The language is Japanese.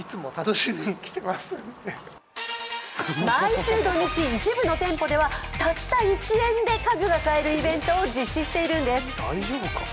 毎週土日、一部の店舗ではたった１円で家具が買えるイベントを実施しているんです。